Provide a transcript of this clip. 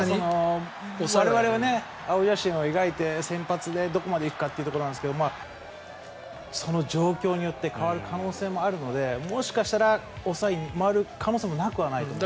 ただ、我々は青写真を描いて先発でどこまで行くかというところなんですがその状況によって変わる可能性もあるのでもしかしたら抑えに回る可能性もなくはないと思います。